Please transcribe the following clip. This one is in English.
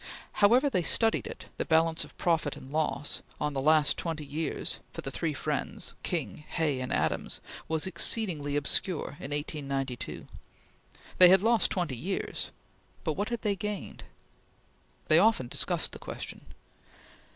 However they studied it, the balance of profit and loss, on the last twenty years, for the three friends, King, Hay, and Adams, was exceedingly obscure in 1892. They had lost twenty years, but what had they gained? They often discussed the question.